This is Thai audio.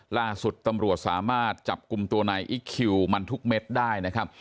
ล่าสุดตำรวจสามารถจับกลุ่มตัวนายอิ๊กคิวมันทุกเม็ดได้นะครับ